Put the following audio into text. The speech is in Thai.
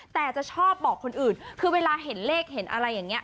แต่จะชอบบอกคนอื่นคือเวลาเห็นเลขเห็นอะไรอย่างนี้